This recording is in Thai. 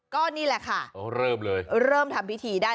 ก็นี่แหละค่ะเริ่มทำพิธีได้